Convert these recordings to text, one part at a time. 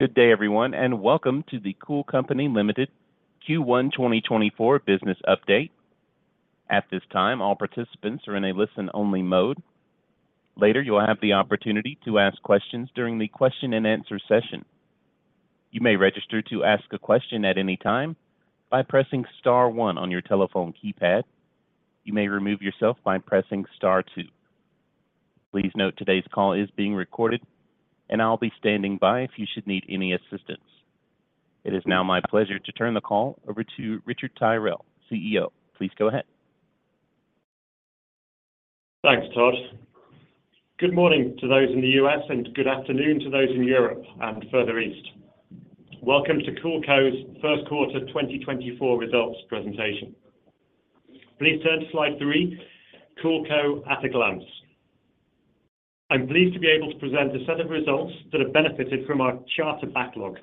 Good day, everyone, and welcome to the Cool Company Limited Q1 2024 business update. At this time, all participants are in a listen-only mode. Later, you will have the opportunity to ask questions during the question and answer session. You may register to ask a question at any time by pressing star one on your telephone keypad. You may remove yourself by pressing star two. Please note, today's call is being recorded, and I'll be standing by if you should need any assistance. It is now my pleasure to turn the call over to Richard Tyrrell, CEO. Please go ahead. Thanks, Todd. Good morning to those in the U.S. and good afternoon to those in Europe and further east. Welcome to CoolCo's first quarter 2024 results presentation. Please turn to slide three, CoolCo at a glance. I'm pleased to be able to present a set of results that have benefited from our charter backlog,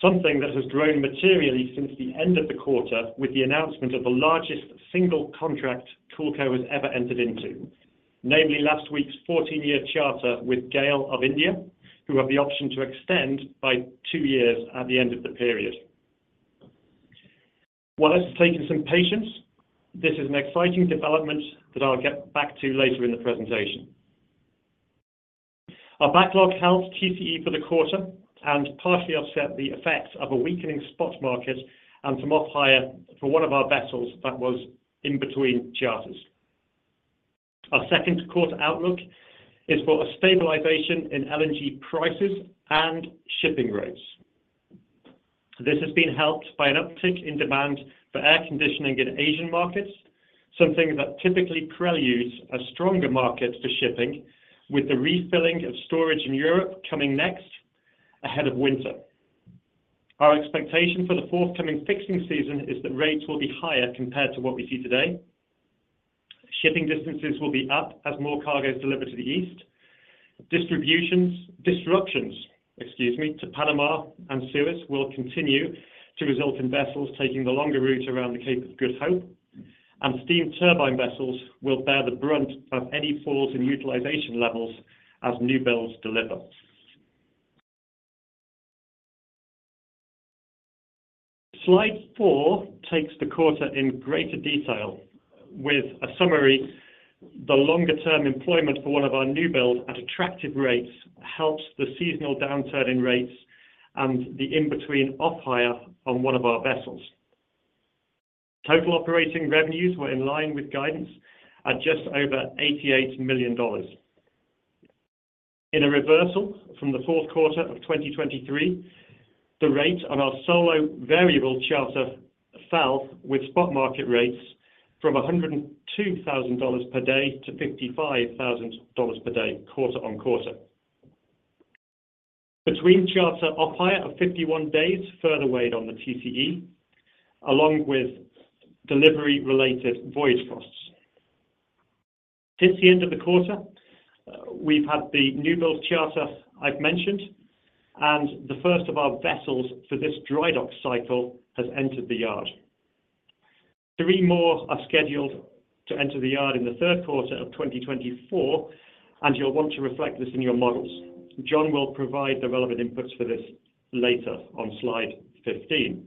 something that has grown materially since the end of the quarter with the announcement of the largest single contract CoolCo has ever entered into. Namely, last week's 14-year charter with GAIL of India, who have the option to extend by two years at the end of the period. While this has taken some patience, this is an exciting development that I'll get back to later in the presentation. Our backlog helped TCE for the quarter and partially offset the effects of a weakening spot market and some off hire for one of our vessels that was in between charters. Our second quarter outlook is for a stabilization in LNG prices and shipping rates. This has been helped by an uptick in demand for air conditioning in Asian markets, something that typically preludes a stronger market for shipping, with the refilling of storage in Europe coming next ahead of winter. Our expectation for the forthcoming fixing season is that rates will be higher compared to what we see today. Shipping distances will be up as more cargo is delivered to the east. Disruptions, excuse me, to Panama and Suez will continue to result in vessels taking the longer route around the Cape of Good Hope, and steam turbine vessels will bear the brunt of any falls in utilization levels as new builds deliver. Slide four takes the quarter in greater detail, with a summary. The longer term employment for one of our new builds at attractive rates helps the seasonal downturn in rates and the in-between off hire on one of our vessels. Total operating revenues were in line with guidance at just over $88 million. In a reversal from the fourth quarter of 2023, the rate on our solo variable charter fell with spot market rates from $102,000-$55,000 per day, quarter-over-quarter. Between charter off hire of 51 days further weighed on the TCE, along with delivery-related voyage costs. Since the end of the quarter, we've had the newbuild charter I've mentioned, and the first of our vessels for this dry dock cycle has entered the yard. Three more are scheduled to enter the yard in the third quarter of 2024, and you'll want to reflect this in your models. John will provide the relevant inputs for this later on slide 15.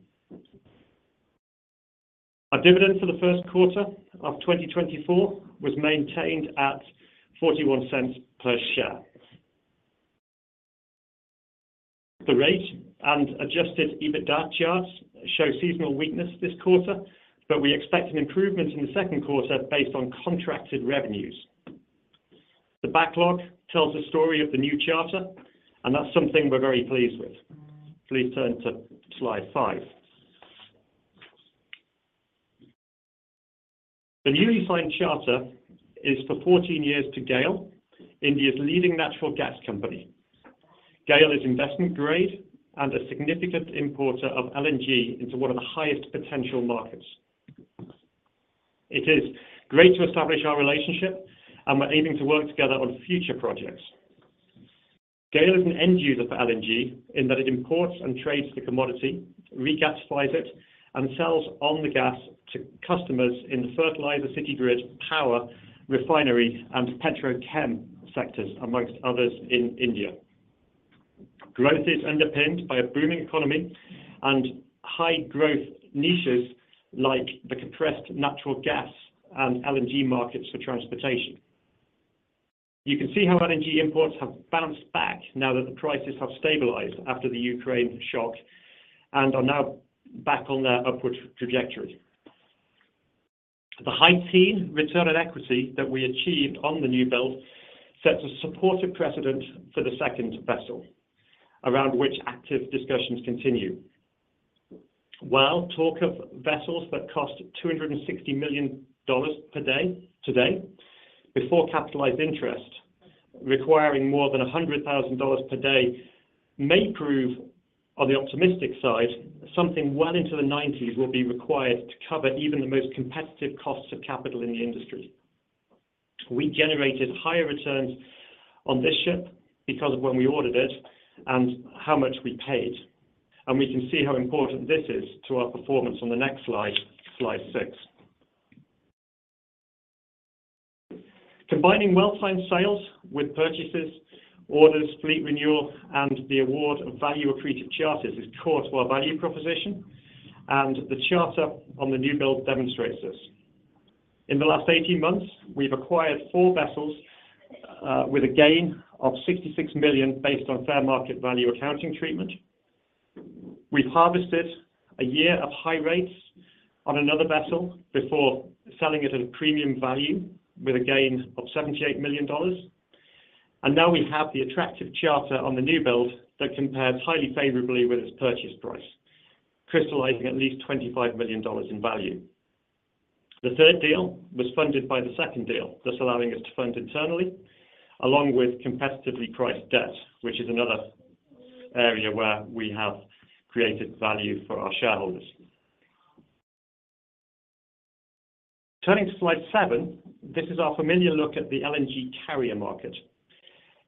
Our dividend for the first quarter of 2024 was maintained at $0.41 per share. The rate and Adjusted EBITDA charts show seasonal weakness this quarter, but we expect an improvement in the second quarter based on contracted revenues. The backlog tells a story of the new charter, and that's something we're very pleased with. Please turn to slide five. The newly signed charter is for 14 years to GAIL, India's leading natural gas company. GAIL is investment grade and a significant importer of LNG into one of the highest potential markets. It is great to establish our relationship, and we're aiming to work together on future projects. GAIL is an end user for LNG in that it imports and trades the commodity, regasifies it, and sells on the gas to customers in the fertilizer, city grid, power, refinery, and petrochem sectors, among others in India. Growth is underpinned by a booming economy and high growth niches like the compressed natural gas and LNG markets for transportation. You can see how LNG imports have bounced back now that the prices have stabilized after the Ukraine shock and are now back on their upward trajectory. The high-teen return on equity that we achieved on the new build sets a supportive precedent for the second vessel, around which active discussions continue. While talk of vessels that cost $260 million per day today, before capitalized interest requiring more than $100,000 per day, may prove on the optimistic side, something well into the nineties will be required to cover even the most competitive costs of capital in the industry. We generated higher returns on this ship because of when we ordered it and how much we paid, and we can see how important this is to our performance on the next slide, slide six. Combining well-timed sales with purchases, orders, fleet renewal, and the award of value accretive charters is core to our value proposition, and the charter on the newbuild demonstrates this. In the last 18 months, we've acquired four vessels with a gain of $66 million based on fair market value accounting treatment. We've harvested a year of high rates on another vessel before selling it at a premium value with a gain of $78 million. And now we have the attractive charter on the newbuild that compares highly favorably with its purchase price, crystallizing at least $25 million in value. The third deal was funded by the second deal, thus allowing us to fund internally, along with competitively priced debt, which is another area where we have created value for our shareholders. Turning to slide seven, this is our familiar look at the LNG carrier market.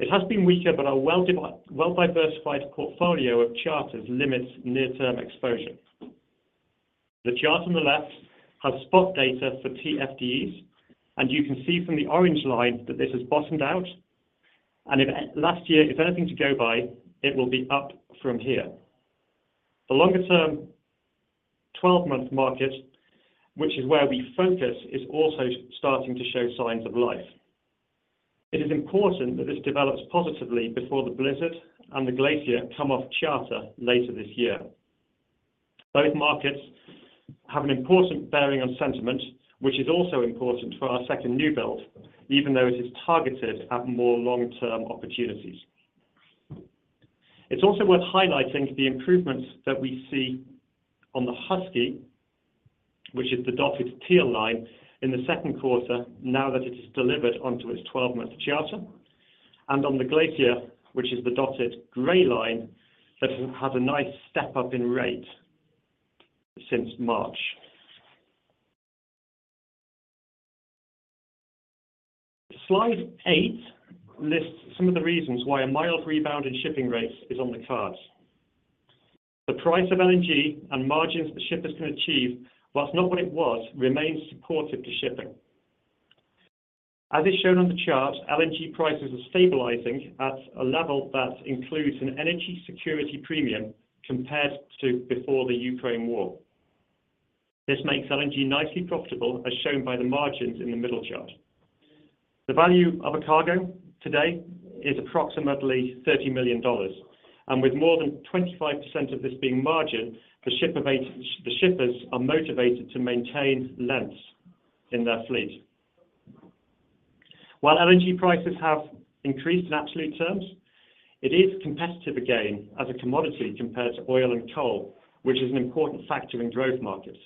It has been weaker, but our well-diversified portfolio of charters limits near-term exposure. The chart on the left has spot data for TFDEs, and you can see from the orange line that this has bottomed out, and if last year is anything to go by, it will be up from here. The longer term, 12-month market, which is where we focus, is also starting to show signs of life. It is important that this develops positively before the Blizzard and the Glacier come off charter later this year. Both markets have an important bearing on sentiment, which is also important for our second newbuild, even though it is targeted at more long-term opportunities. It's also worth highlighting the improvements that we see on the Husky, which is the dotted teal line in the second quarter, now that it's delivered onto its 12-month charter, and on the Glacier, which is the dotted gray line, that has had a nice step up in rate since March. Slide eight lists some of the reasons why a mild rebound in shipping rates is on the cards. The price of LNG and margins the shippers can achieve, while not what it was, remains supportive to shipping. As is shown on the charts, LNG prices are stabilizing at a level that includes an energy security premium compared to before the Ukraine war. This makes LNG nicely profitable, as shown by the margins in the middle chart. The value of a cargo today is approximately $30 million, and with more than 25% of this being margin, the shipper base, the shippers are motivated to maintain lengths in their fleet. While LNG prices have increased in absolute terms, it is competitive again as a commodity compared to oil and coal, which is an important factor in growth markets.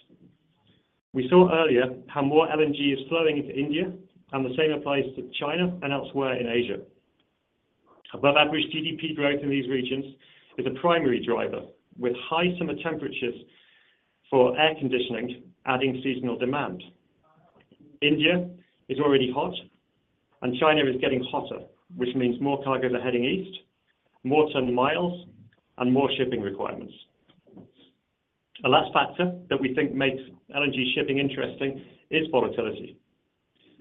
We saw earlier how more LNG is flowing into India, and the same applies to China and elsewhere in Asia. Above average GDP growth in these regions is a primary driver, with high summer temperatures for air conditioning adding seasonal demand. India is already hot, and China is getting hotter, which means more cargoes are heading east, more ton miles, and more shipping requirements. The last factor that we think makes LNG shipping interesting is volatility.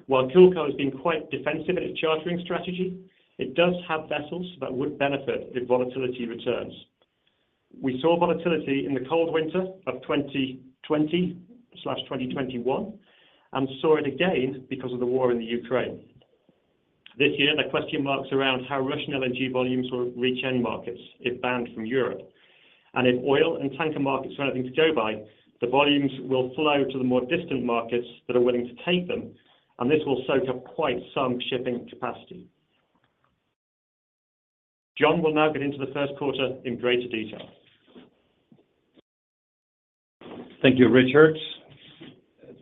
While CoolCo has been quite defensive in its chartering strategy, it does have vessels that would benefit if volatility returns. We saw volatility in the cold winter of 2020/2021, and saw it again because of the war in Ukraine. This year, the question marks around how Russian LNG volumes will reach end markets if banned from Europe. And if oil and tanker markets are anything to go by, the volumes will flow to the more distant markets that are willing to take them, and this will soak up quite some shipping capacity. John will now get into the first quarter in greater detail. Thank you, Richard.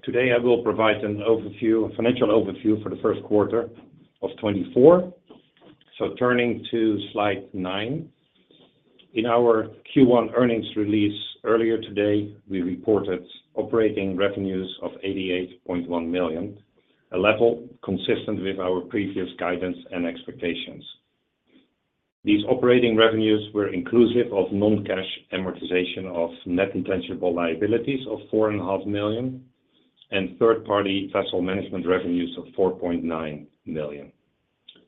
Today, I will provide an overview, a financial overview for the first quarter of 2024. So, turning to slide nine. In our Q1 earnings release earlier today, we reported operating revenues of $88.1 million, a level consistent with our previous guidance and expectations. These operating revenues were inclusive of non-cash amortization of net intangible liabilities of $4.5 million, and third-party vessel management revenues of $4.9 million.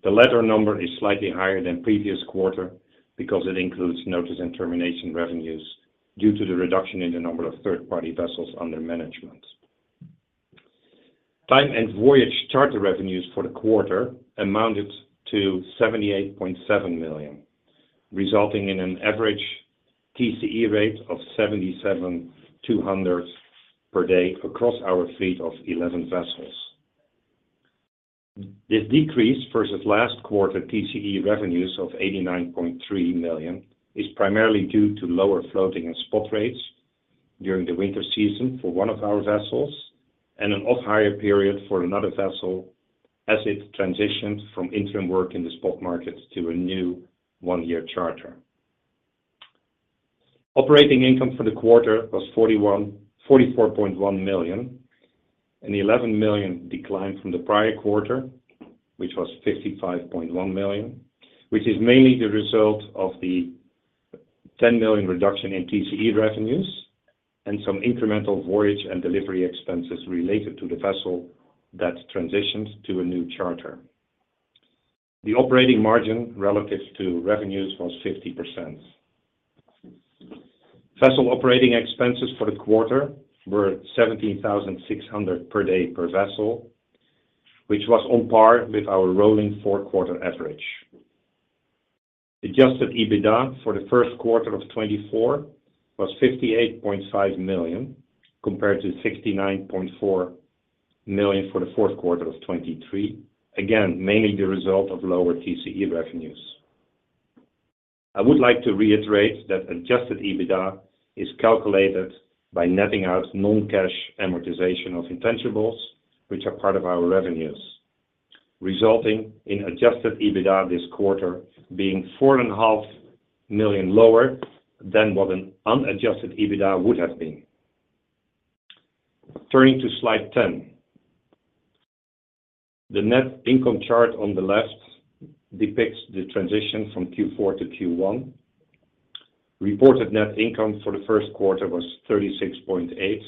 The latter number is slightly higher than previous quarter because it includes notice and termination revenues due to the reduction in the number of third-party vessels under management. Time and voyage charter revenues for the quarter amounted to $78.7 million, resulting in an average TCE rate of 77,200 per day across our fleet of 11 vessels. This decrease versus last quarter TCE revenues of $89.3 million is primarily due to lower floating and spot rates during the winter season for one of our vessels, and an off-hire period for another vessel as it transitioned from interim work in the spot market to a new one-year charter. Operating income for the quarter was $44.1 million, and the $11 million declined from the prior quarter, which was $55.1 million, which is mainly the result of the $10 million reduction in TCE revenues, and some incremental voyage and delivery expenses related to the vessel that transitioned to a new charter. The operating margin relative to revenues was 50%. Vessel operating expenses for the quarter were 17,600 per day per vessel, which was on par with our rolling four-quarter average. Adjusted EBITDA for the first quarter of 2024 was $58.5 million, compared to $69.4 million for the fourth quarter of 2023. Again, mainly the result of lower TCE revenues. I would like to reiterate that adjusted EBITDA is calculated by netting out non-cash amortization of intangibles, which are part of our revenues, resulting in adjusted EBITDA this quarter being $4.5 million lower than what an unadjusted EBITDA would have been. Turning to slide 10. The net income chart on the left depicts the transition from Q4 to Q1. Reported net income for the first quarter was $36.8 million,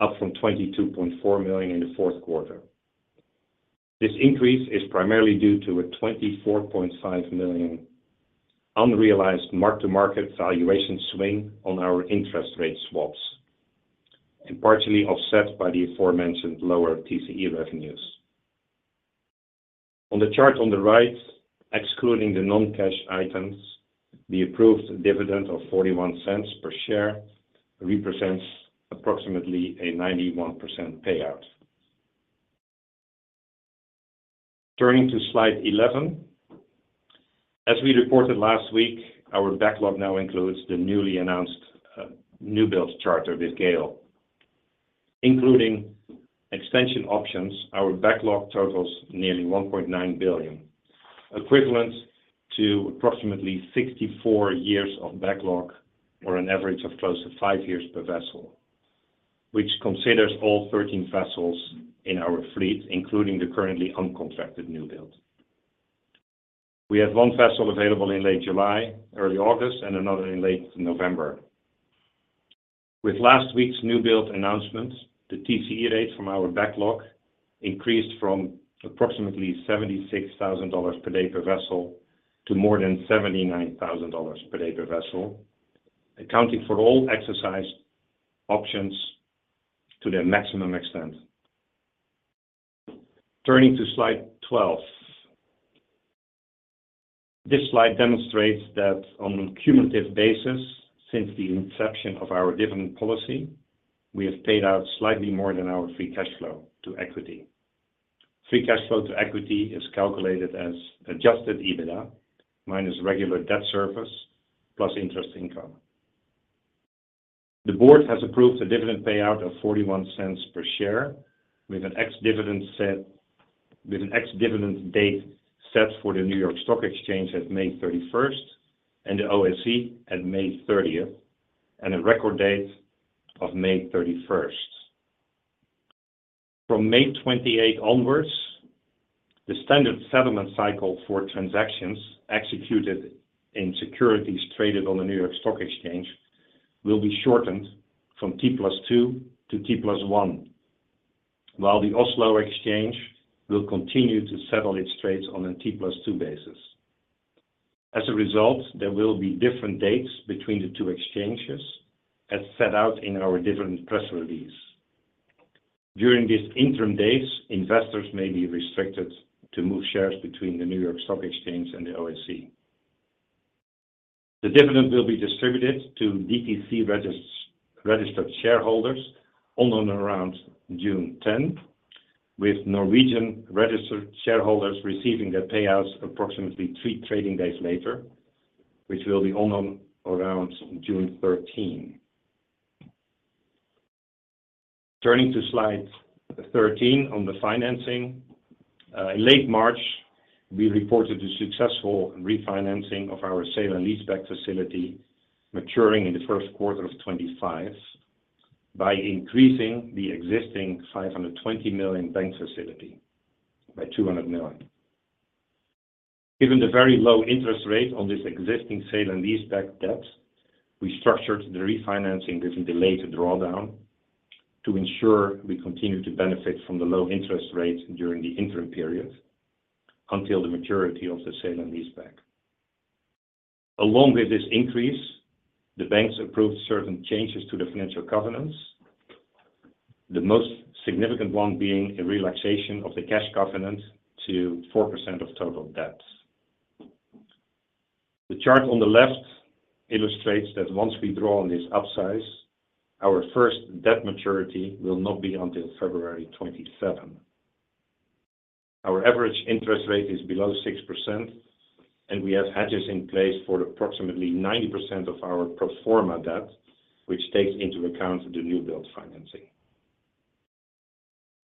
up from $22.4 million in the fourth quarter. This increase is primarily due to a $24.5 million unrealized mark-to-market valuation swing on our interest rate swaps, and partially offset by the aforementioned lower TCE revenues. On the chart on the right, excluding the non-cash items, the approved dividend of 41 cents per share represents approximately a 91% payout. Turning to slide 11. As we reported last week, our backlog now includes the newly announced newbuild charter with GAIL. Including extension options, our backlog totals nearly $1.9 billion, equivalent to approximately 64 years of backlog, or an average of close to five years per vessel, which considers all 13 vessels in our fleet, including the currently uncontracted newbuild. We have one vessel available in late July, early August, and another in late November. With last week's newbuild announcements, the TCE rate from our backlog increased from approximately $76,000 per day per vessel, to more than $79,000 per day per vessel, accounting for all exercised options to their maximum extent. Turning to slide 12. This slide demonstrates that on a cumulative basis, since the inception of our dividend policy, we have paid out slightly more than our free cash flow to equity. Free cash flow to equity is calculated as Adjusted EBITDA, minus regular debt service, plus interest income. The board has approved a dividend payout of $0.41 per share, with an ex-dividend date set for the New York Stock Exchange at May 31, and the OSE at May 30, and a record date of May 31. From May 28 onwards, the standard settlement cycle for transactions executed in securities traded on the New York Stock Exchange will be shortened from T+2 to T+1, while the Oslo Exchange will continue to settle its trades on a T+2 basis. As a result, there will be different dates between the two exchanges, as set out in our dividend press release. During these interim days, investors may be restricted to move shares between the New York Stock Exchange and the OSE. The dividend will be distributed to DTC registered shareholders on or around June tenth, with Norwegian-registered shareholders receiving their payouts approximately three trading days later, which will be on or around June thirteen. Turning to slide 13 on the financing. In late March, we reported the successful refinancing of our sale and leaseback facility, maturing in the first quarter of 2025, by increasing the existing $520 million bank facility by $200 million. Given the very low interest rate on this existing sale and leaseback debt, we structured the refinancing with a delayed drawdown to ensure we continue to benefit from the low interest rates during the interim period, until the maturity of the sale and leaseback. Along with this increase, the banks approved certain changes to the financial covenants. The most significant one being a relaxation of the cash covenant to 4% of total debt. The chart on the left illustrates that once we draw on this upsize, our first debt maturity will not be until February 27. Our average interest rate is below 6%, and we have hedges in place for approximately 90% of our pro forma debt, which takes into account the newbuild financing.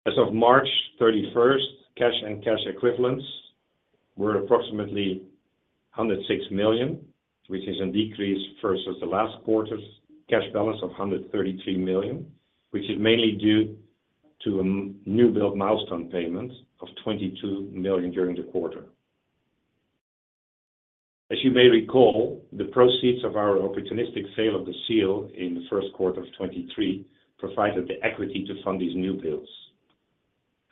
As of March 31, cash and cash equivalents were approximately $106 million, which is a decrease versus the last quarter's cash balance of $133 million, which is mainly due to a new build milestone payment of $22 million during the quarter. As you may recall, the proceeds of our opportunistic sale of the Seal in the first quarter of 2023 provided the equity to fund these new builds.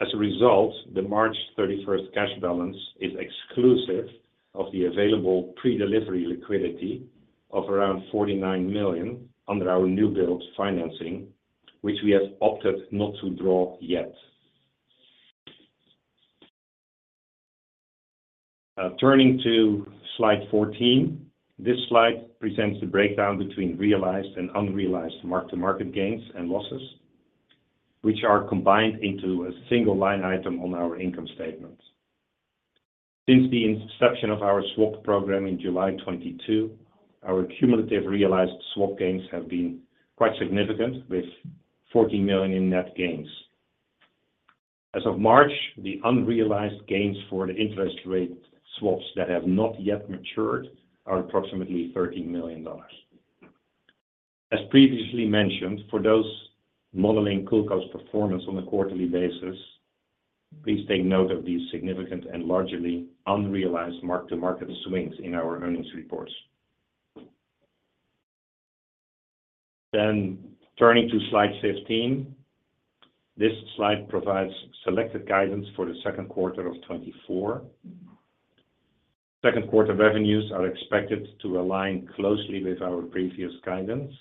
As a result, the March 31 cash balance is exclusive of the available pre-delivery liquidity of around $49 million under our new build financing, which we have opted not to draw yet. Turning to Slide 14. This slide presents the breakdown between realized and unrealized mark-to-market gains and losses, which are combined into a single line item on our income statement. Since the inception of our swap program in July 2020, our cumulative realized swap gains have been quite significant, with $14 million in net gains. As of March, the unrealized gains for the interest rate swaps that have not yet matured are approximately $13 million. As previously mentioned, for those modeling CoolCo's performance on a quarterly basis, please take note of these significant and largely unrealized mark-to-market swings in our earnings reports. Then, turning to Slide 15. This slide provides selected guidance for the second quarter of 2024. Second quarter revenues are expected to align closely with our previous guidance.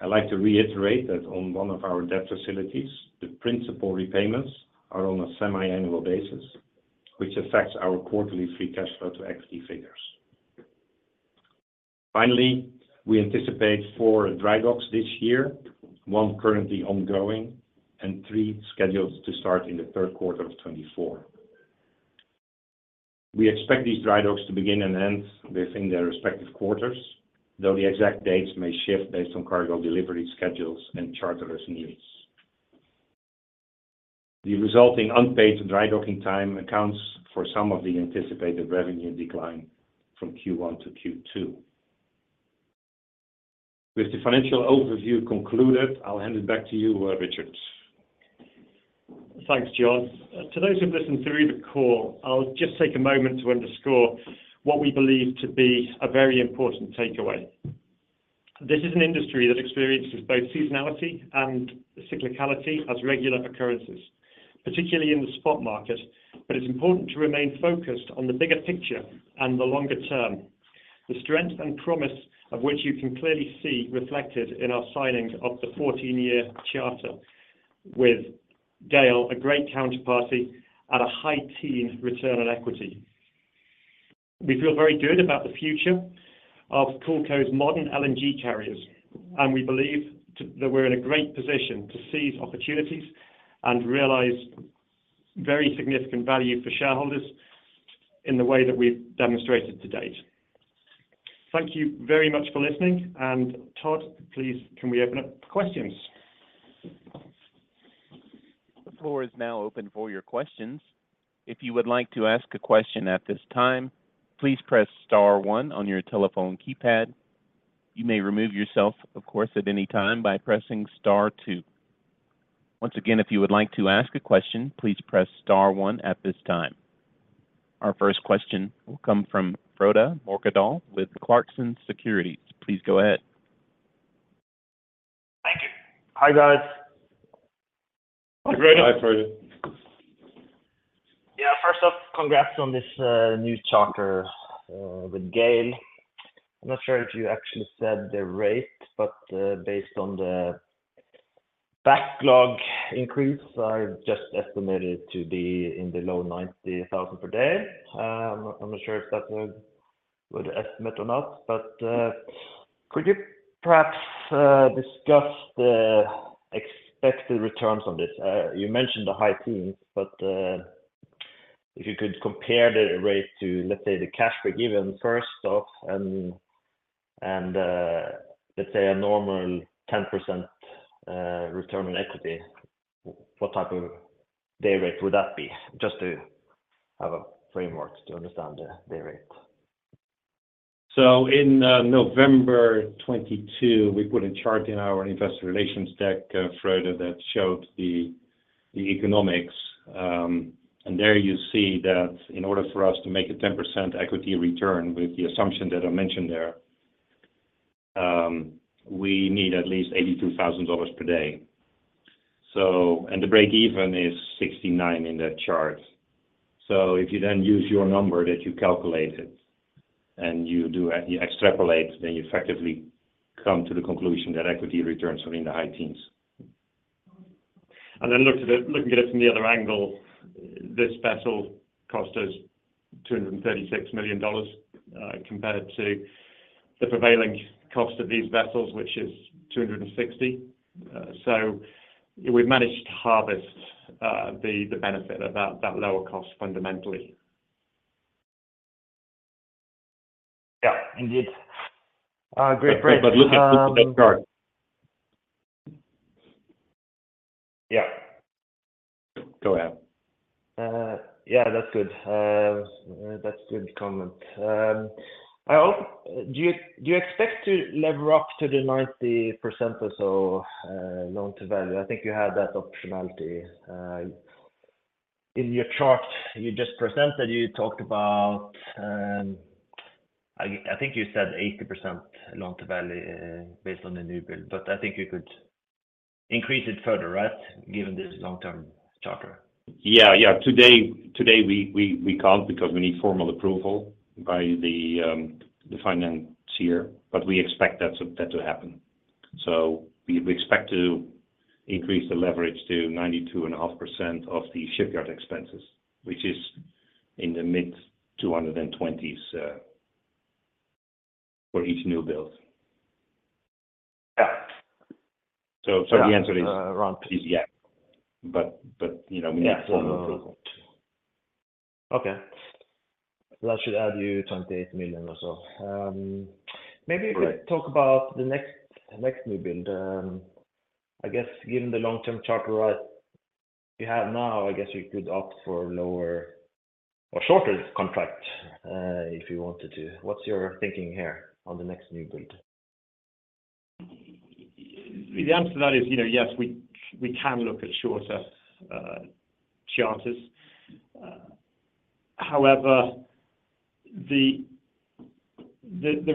I'd like to reiterate that on one of our debt facilities, the principal repayments are on a semiannual basis, which affects our quarterly free cash flow to equity figures. Finally, we anticipate four dry docks this year, one currently ongoing and three scheduled to start in the third quarter of 2024. We expect these dry docks to begin and end within their respective quarters, though the exact dates may shift based on cargo delivery schedules and charterers' needs. The resulting unpaid dry docking time accounts for some of the anticipated revenue decline from Q1 to Q2. With the financial overview concluded, I'll hand it back to you, Richard. Thanks, John. To those who've listened through the call, I'll just take a moment to underscore what we believe to be a very important takeaway. This is an industry that experiences both seasonality and cyclicality as regular occurrences, particularly in the spot market, but it's important to remain focused on the bigger picture and the longer term. The strength and promise of which you can clearly see reflected in our signing of the 14-year charter with GAIL, a great counterparty at a high-teens return on equity. We feel very good about the future of CoolCo's modern LNG carriers, and we believe that we're in a great position to seize opportunities and realize very significant value for shareholders in the way that we've demonstrated to date. Thank you very much for listening, and Todd, please, can we open up questions? The floor is now open for your questions. If you would like to ask a question at this time, please press star one on your telephone keypad. You may remove yourself, of course, at any time by pressing star two. Once again, if you would like to ask a question, please press star one at this time. Our first question will come from Frode Mørkedal with Clarksons Securities. Please go ahead. Thank you. Hi, guys. Hi, Frode. Hi, Frode. Yeah, first off, congrats on this new charter with GAIL. I'm not sure if you actually said the rate, but based on the backlog increase, I just estimate it to be in the low $90,000 per day. I'm not sure if that's a good estimate or not, but could you perhaps discuss the expected returns on this? You mentioned the high teens, but if you could compare the rate to, let's say, the cash break even first off, and let's say a normal 10% return on equity, what type of day rate would that be? Just to have a framework to understand the day rate. So in November 2022, we put a chart in our investor relations deck, Frode, that showed the economics. And there you see that in order for us to make a 10% equity return with the assumption that I mentioned there, we need at least $82,000 per day. So, and the breakeven is $69,000 in that chart. So if you then use your number that you calculated and you extrapolate, then you effectively come to the conclusion that equity returns are in the high teens. Then look at it, looking at it from the other angle, this vessel cost us $236 million, compared to the prevailing cost of these vessels, which is $260 million. So we've managed to harvest the benefit of that lower cost fundamentally. Yeah, indeed. Great, great. But looking at the best part. Yeah. Go ahead. Yeah, that's good. That's a good comment. Do you expect to lever up to the 90% or so, loan to value? I think you had that optionality, in your chart you just presented. You talked about, I think you said 80% loan to value, based on the new build, but I think you could increase it further, right? Given this long-term charter. Yeah, yeah. Today we can't because we need formal approval by the financier, but we expect that to happen. So we expect to increase the leverage to 92.5% of the shipyard expenses, which is in the mid-$220s million for each new build. Yeah. So, the answer is. Around- Yeah, but you know, we need formal approval. Okay. That should add you $28 million or so. Maybe you could talk about the next, next new build. I guess given the long-term charter, right, you have now, I guess you could opt for lower or shorter contract, if you wanted to. What's your thinking here on the next new build? The answer to that is, you know, yes, we can look at shorter charters. However, the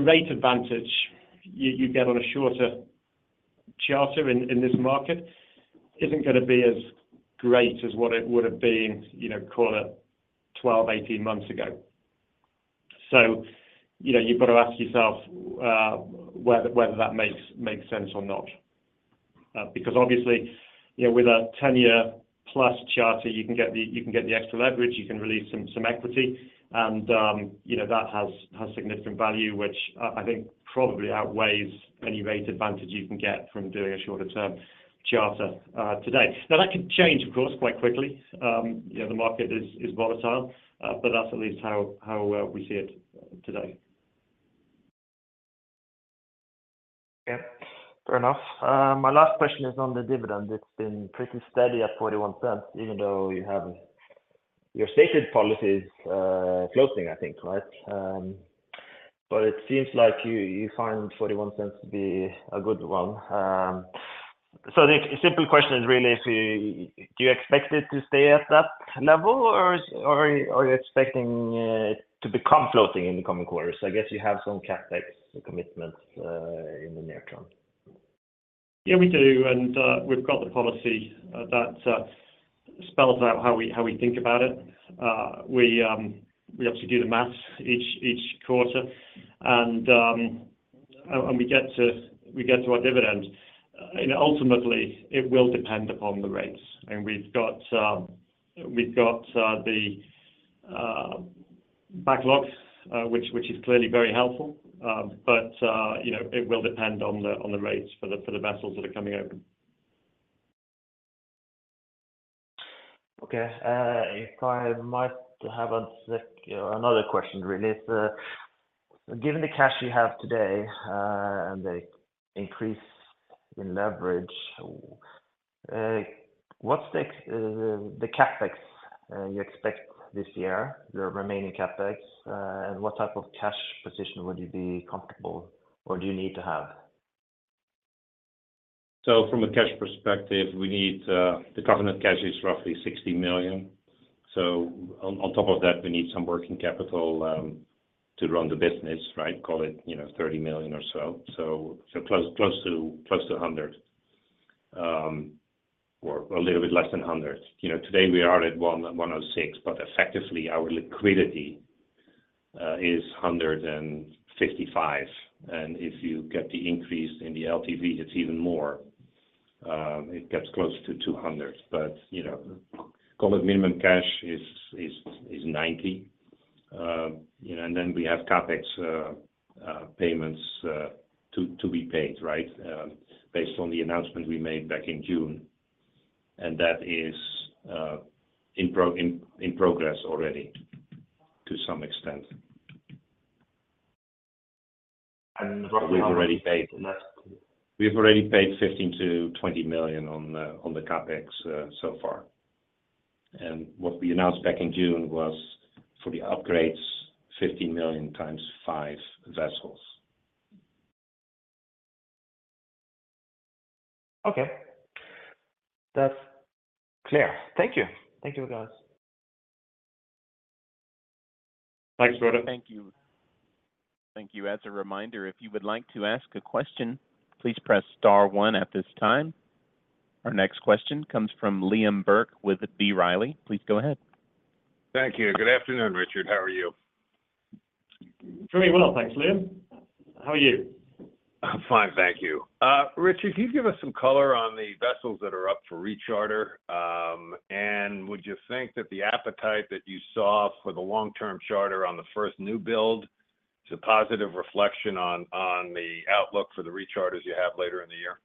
rate advantage you get on a shorter charter in this market isn't gonna be as great as what it would have been, you know, call it 12, 18 months ago. So, you know, you've got to ask yourself whether that makes sense or not. Because obviously, you know, with a 10-year plus charter, you can get the extra leverage, you can release some equity, and, you know, that has significant value, which I think probably outweighs any rate advantage you can get from doing a shorter term charter today. Now, that could change, of course, quite quickly. You know, the market is volatile, but that's at least how well we see it today. Yeah, fair enough. My last question is on the dividend. It's been pretty steady at $0.41, even though you have your stated policy is closing, I think, right? But it seems like you, you find $0.41 to be a good one. So the simple question is, really, do you expect it to stay at that level, or, or, or are you expecting it to become floating in the coming quarters? I guess you have some CapEx commitments in the near term. Yeah, we do and we've got the policy that spells out how we think about it. We obviously do the math each quarter, and we get to our dividend. And ultimately, it will depend upon the rates. I mean, we've got the backlogs, which is clearly very helpful, but you know, it will depend on the rates for the vessels that are coming over. Okay. If I might have a sec. Another question really. If, given the cash you have today, and the increase in leverage, what's the CapEx you expect this year, your remaining CapEx, and what type of cash position would you be comfortable or do you need to have? So from a cash perspective, we need the covenant cash is roughly $60 million. So on top of that, we need some working capital to run the business, right? Call it, you know, $30 million or so. So close to $100 or a little bit less than $100. You know, today we are at 106, but effectively, our liquidity is $155 million. And if you get the increase in the LTV, it's even more, it gets close to $200 million. But, you know, call it minimum cash is 90. You know, and then we have CapEx payments to be paid, right? Based on the announcement we made back in June, and that is in progress already to some extent. And we've already paid, We've already paid $15 million-$20 million on the CapEx so far. What we announced back in June was for the upgrades, $50 million x 5 vessels. Okay. That's clear. Thank you. Thank you, guys. Thanks, Frode. Thank you. Thank you. As a reminder, if you would like to ask a question, please press star one at this time. Our next question comes from Liam Burke with B. Riley. Please go ahead. Thank you. Good afternoon, Richard. How are you? Very well. Thanks, Liam. How are you? I'm fine, thank you. Richard, can you give us some color on the vessels that are up for recharter? And would you think that the appetite that you saw for the long-term charter on the first new build is a positive reflection on, on the outlook for the recharters you have later in the year?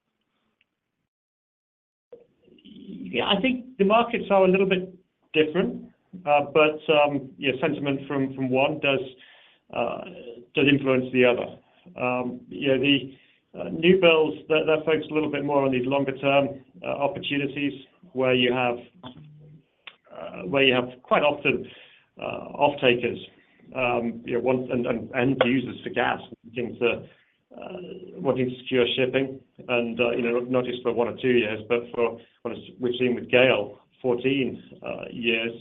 Yeah, I think the markets are a little bit different. But yeah, sentiment from one does influence the other. You know, the new builds that focus a little bit more on these longer-term opportunities where you have quite often off-takers, you know, owners and users for gas looking to wanting to secure shipping and you know not just for one or two years, but for what we've seen with GAIL, 14 years.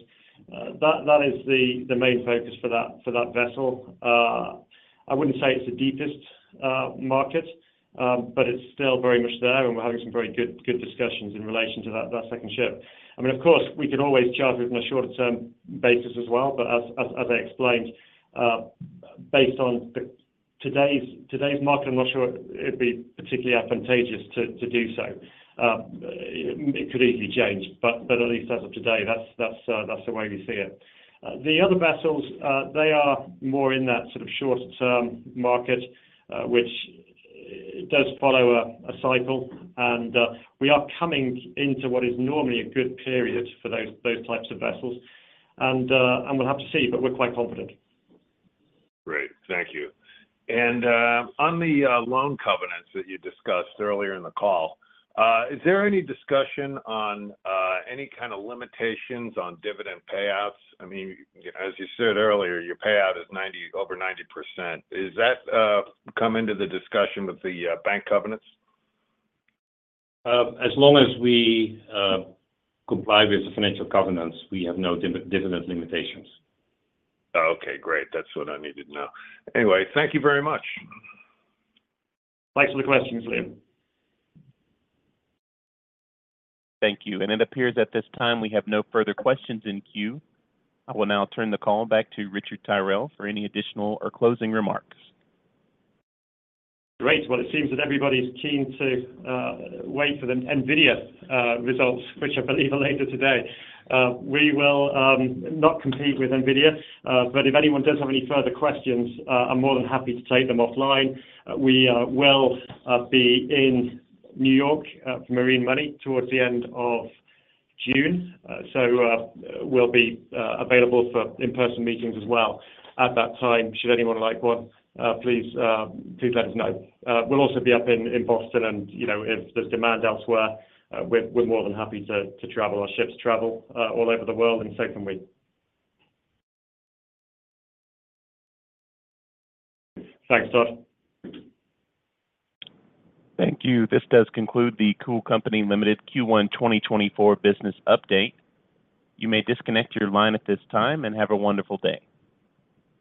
That is the main focus for that vessel. I wouldn't say it's the deepest market, but it's still very much there, and we're having some very good discussions in relation to that second ship. I mean, of course, we can always charter it on a shorter term basis as well. But as I explained, based on today's market, I'm not sure it'd be particularly advantageous to do so. It could easily change, but at least as of today, that's the way we see it. The other vessels, they are more in that sort of shorter term market, which does follow a cycle, and we are coming into what is normally a good period for those types of vessels. And we'll have to see, but we're quite confident. Great, thank you. And, on the loan covenants that you discussed earlier in the call, is there any discussion on any kind of limitations on dividend payouts? I mean, as you said earlier, your payout is over 90%. Is that come into the discussion with the bank covenants? As long as we comply with the financial covenants, we have no dividend limitations. Okay, great. That's what I needed to know. Anyway, thank you very much. Thanks for the questions, Liam. Thank you. It appears at this time we have no further questions in queue. I will now turn the call back to Richard Tyrrell for any additional or closing remarks. Great. Well, it seems that everybody's keen to wait for the NVIDIA results, which I believe are later today. We will not compete with NVIDIA, but if anyone does have any further questions, I'm more than happy to take them offline. We will be in New York for Marine Money towards the end of June. So, we'll be available for in-person meetings as well at that time. Should anyone like one, please do let us know. We'll also be up in Boston and, you know, if there's demand elsewhere, we're more than happy to travel. Our ships travel all over the world, and so can we. Thanks, Todd. Thank you. This does conclude the Cool Company Limited Q1 2024 business update. You may disconnect your line at this time, and have a wonderful day.